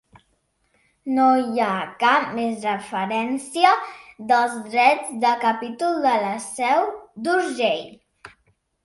No hi ha cap més referència dels drets de capítol de la Seu d'Urgell.